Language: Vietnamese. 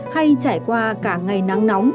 hay trải qua cả ngày nắng nóng